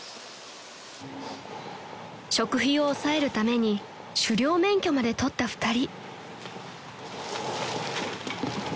［食費を抑えるために狩猟免許まで取った２人］